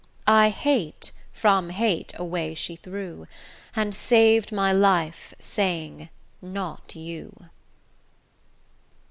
'I hate', from hate away she threw, And sav'd my life, saying 'not you'.